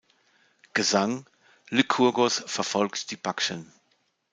Gesang: Lykurgos verfolgt die Bakchen.